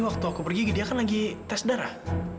yang gw nanti ngerti dia kapal jalan